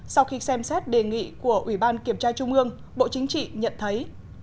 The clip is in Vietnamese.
sau khi xem xét đề nghị của ủy ban kiểm tra trung ương bộ chính trị nhận thấy